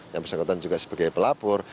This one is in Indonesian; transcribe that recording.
yang bersangkutan juga sebagai pelapor